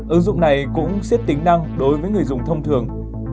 ứng dụng này cũng xiết tính năng đối với người dùng thông thường